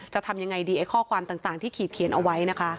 จะทำยังไงดีไอ้ข้อความต่างที่ขีดเขียนเอาไว้นะคะ